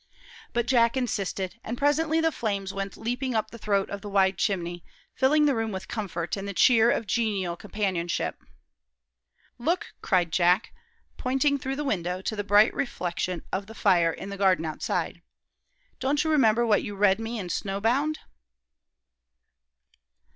But Jack insisted, and presently the flames went leaping up the throat of the wide chimney, filling the room with comfort and the cheer of genial companionship. "Look!" cried Jack, pointing through the window to the bright reflection of the fire in the garden outside. "Don't you remember what you read me in 'Snowbound?'